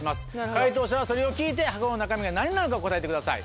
解答者はそれを聞いて箱の中身が何なのか答えてください。